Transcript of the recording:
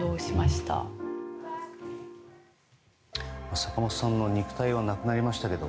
坂本さんの肉体はなくなりましたけど